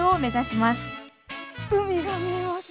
海が見えます！